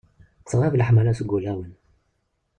Tɣab leḥmala seg wulawen.